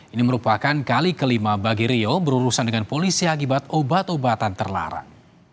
ini merupakan kali kelima bagi rio berurusan dengan polisi akibat obat obatan terlarang